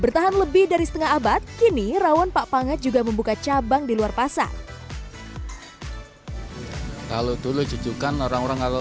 bertahan lebih dari setengah abad kini rawon pak panget juga membuka cabang di luar pasar